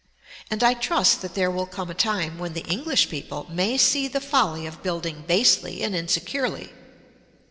And I trust that there will come a time when the English people may see the folly of building basely and insecurely.